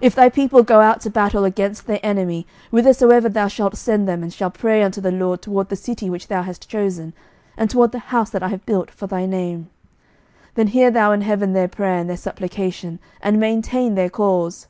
11:008:044 If thy people go out to battle against their enemy, whithersoever thou shalt send them, and shall pray unto the LORD toward the city which thou hast chosen, and toward the house that I have built for thy name: 11:008:045 Then hear thou in heaven their prayer and their supplication, and maintain their cause.